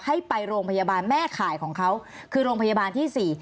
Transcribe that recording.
ให้ไปโรงพยาบาลแม่ข่ายของเขาคือโรงพยาบาลที่๔